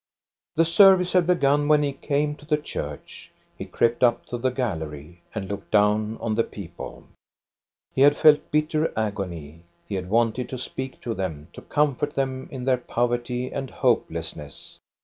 The service had begun when he came to the church. He crept up to the gallery, and looked down on the people. He had felt bitter agony. He had wanted to speak to them, to comfort them in their poverty and hopelessness.